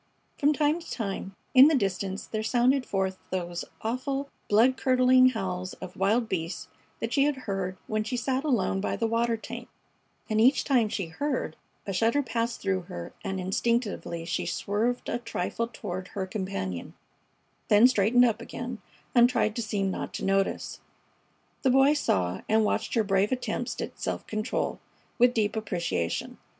From time to time in the distance there sounded forth those awful blood curdling howls of wild beasts that she had heard when she sat alone by the water tank, and each time she heard a shudder passed through her and instinctively she swerved a trifle toward her companion, then straightened up again and tried to seem not to notice. The Boy saw and watched her brave attempts at self control with deep appreciation.